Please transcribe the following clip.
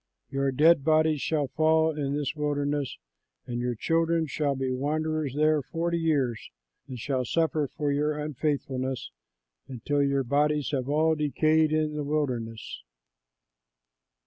Your dead bodies shall fall in this wilderness, and your children shall be wanderers there forty years and shall suffer for your unfaithfulness until your bodies have all decayed in the wilderness."